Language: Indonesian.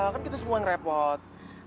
kan kita semua yang repot